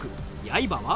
「やいば」は？